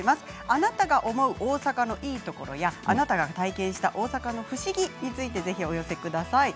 あなたが思う大阪のいいところやあなたが体験した大阪の不思議についてぜひお寄せください。